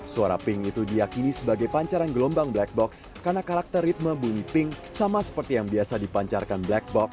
suara ping itu diakini sebagai pancaran gelombang black box karena karakter ritme bunyi ping sama seperti yang biasa dipancarkan black box